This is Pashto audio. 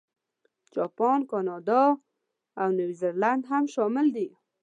جاپان، کاناډا، او نیوزیلانډ هم شامل دي.